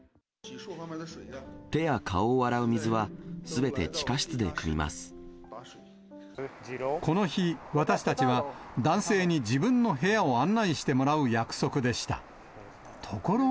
手や顔を洗う水は、すべて地この日、私たちは男性に自分の部屋を案内してもらう約束でした。